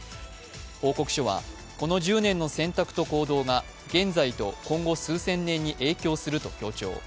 報告書は、この１０年の選択と行動が現在と今後、数千年に影響すると強調。